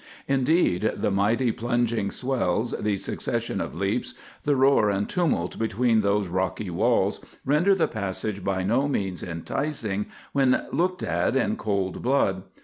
Indeed, the mighty, plunging swells, the succession of leaps, the roar and tumult between those rocky walls, render the passage by no means enticing when looked at in cold blood.